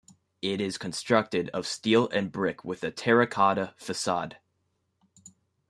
It is constructed of steel and brick with a terra-cotta facade.